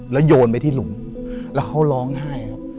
แล้วโยนไปที่หลุมแล้วเขาร้องไห้ครับ